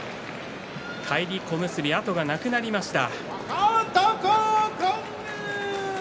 返り小結、後がなくなりました。